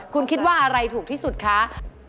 คุณคิดว่าอะไรถูกที่สุดคะ